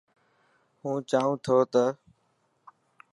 هون چاهون ٿو ته.